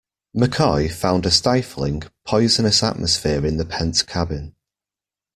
McCoy found a stifling, poisonous atmosphere in the pent cabin.